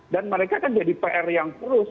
dan mereka kan jadi pr yang terus